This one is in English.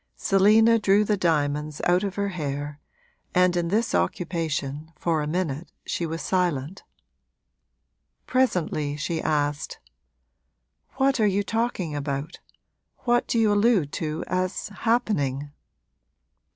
Selina drew the diamonds out of her hair, and in this occupation, for a minute, she was silent. Presently she asked: 'What are you talking about what do you allude to as happening?'